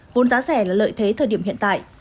vốn giá rẻ là lợi thế thời điểm hiện tại